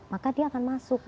maka dia akan masuk